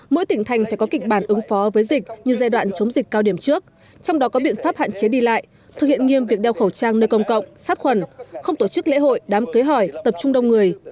mỗi tỉnh thành phải có kịch bản ứng phó với dịch như giai đoạn chống dịch cao điểm trước trong đó có biện pháp hạn chế đi lại thực hiện nghiêm việc đeo khẩu trang nơi công cộng sát khuẩn không tổ chức lễ hội đám kế hỏi tập trung đông người